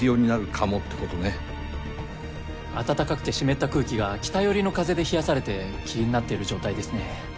暖かくて湿った空気が北寄りの風で冷やされて霧になっている状態ですね。